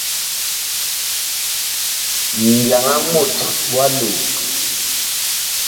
Mbyaŋ a mut wa loo.